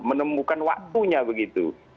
menemukan waktunya begitu